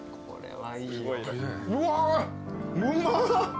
うわうまっ！